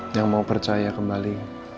yang mau percaya kembali